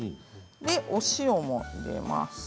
お塩も入れます。